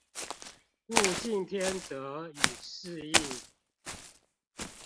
物競天擇與適應